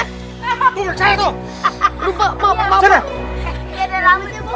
tunggu saya tuh